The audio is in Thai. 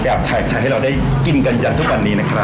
แบบไทยให้เราได้กินกันใหญัติทุกวันนี้นะคะ